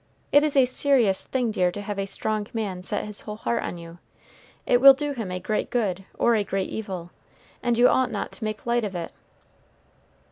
It is a serious thing, dear, to have a strong man set his whole heart on you. It will do him a great good or a great evil, and you ought not to make light of it."